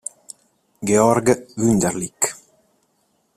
Georg Wunderlich